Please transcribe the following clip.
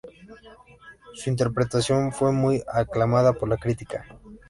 Su interpretación fue muy aclamada por la crítica.